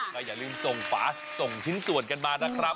ก็อย่าลืมส่งฝาส่งชิ้นส่วนกันมานะครับ